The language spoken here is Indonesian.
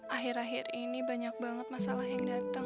akhir akhir ini banyak banget masalah yang datang